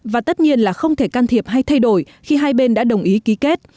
và tất nhiên là không thể can thiệp hay thay đổi khi hai bên đã đồng ý ký kết